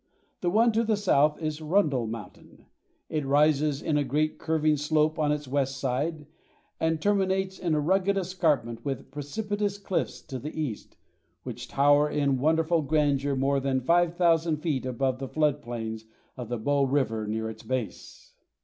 The one to the south is Rundle Mountain. It rises in a great curving slope on its west side, and terminates in a rugged escarpment with precipitous cliffs to the east, which tower in wonderful grandeur more than 5000 feet above the flood plains of the Bow River near its base.